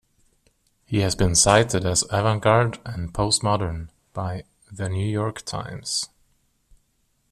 He has been cited as avant garde and postmodern by "The New York Times".